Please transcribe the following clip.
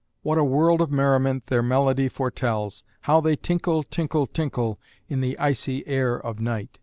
What a world of merriment their melody foretells! How they tinkle, tinkle, tinkle, In the icy air of night!